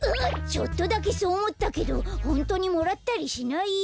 ちょっとだけそうおもったけどほんとにもらったりしないよ。